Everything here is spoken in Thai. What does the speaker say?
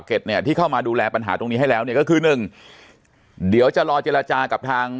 เนี่ยที่เข้ามาดูแลปัญหาตรงนี้ให้แล้วเนี่ยก็คือหนึ่งเดี๋ยวจะรอเจรจากับทาง